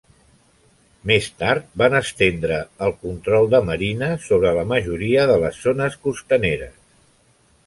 Més tard, van estendre el control de Merina sobre la majoria de les zones costaneres.